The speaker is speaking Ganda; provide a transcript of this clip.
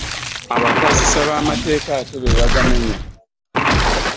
Abakwasisa b'amateeka ate be bagamenya!